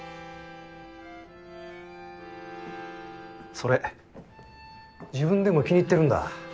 それ自分でも気に入ってるんだ。